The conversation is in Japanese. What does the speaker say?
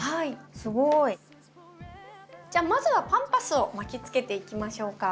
すごい。じゃあまずはパンパスを巻きつけていきましょうか。